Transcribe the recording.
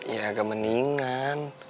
ya agak mendingan